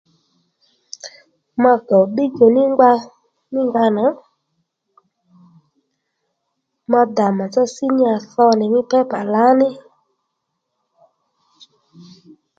Ma ddèy ddíydjò ní ngba mí nga nà ma ddà màtsá senior tho nì mí paper lǎní